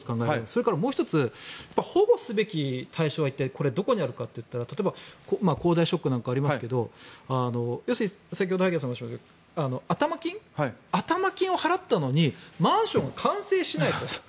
それからもう１つ保護すべき対象は一体、どこにあるかといったら例えば恒大ショックなんかありますけど要するに、先ほど萩谷さんがおっしゃったように頭金を払ったのにマンション完成しないと。